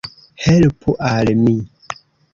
Helpu al mi.